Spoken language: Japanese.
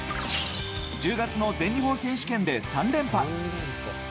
１０月の全日本選手権で３連覇。